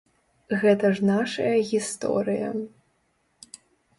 Гэта ж нашая гісторыя.